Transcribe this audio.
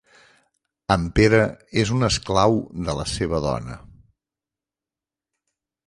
En Pere és un esclau de la seva dona.